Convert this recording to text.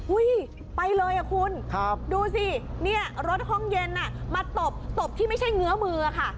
ไปเลยอ่ะคุณดูสิเนี่ยรถห้องเย็นมาตบตบที่ไม่ใช่เงื้อมือค่ะ